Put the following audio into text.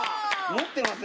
持ってますね。